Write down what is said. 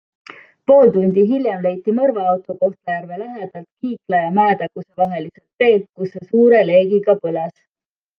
Pool tundi hiljem leiti mõrvaauto Kohtla-Järve lähedalt Kiikla ja Mäetaguse vaheliselt teelt, kus see suure leegiga põles.